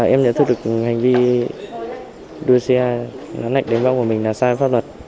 em đã thức được hành vi đuôi xe lạng lách đánh võng của mình là sai pháp luật